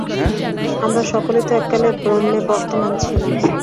আমরা সকলেই তো এককালে ব্রহ্মে বর্তমান ছিলাম।